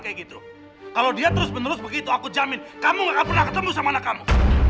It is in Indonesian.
kayak gitu kalau dia terus menerus begitu aku jamin kamu gak pernah ketemu sama anak kamu